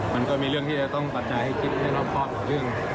มันก็มีเรื่องที่จะต้องปัจจัยให้คิดให้รอบครอบต่อเรื่อง